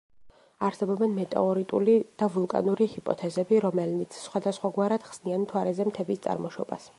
არსებობენ მეტეორიტული და ვულკანური ჰიპოთეზები, რომელნიც სხვადასხვაგვარად ხსნიან მთვარეზე მთების წარმოშობას.